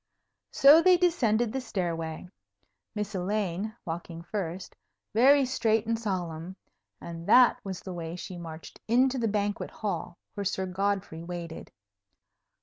So they descended the stairway, Miss Elaine walking first, very straight and solemn; and that was the way she marched into the banquet hall, where Sir Godfrey waited.